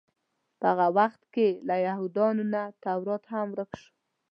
په هماغه وخت کې له یهودانو نه تورات هم ورک شو.